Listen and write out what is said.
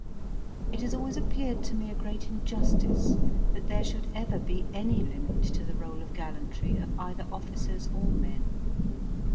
It has always appeared to me a great injustice that there should ever be any limit to the roll of gallantry of either officers or men.